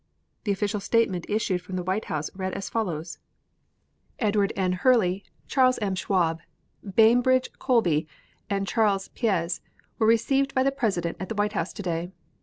The official statement issued from the White House read as follows: Edward N. Hurley, Charles M. Schwab, Bainbridge Colby and Charles Piez were received by the President at the White House today.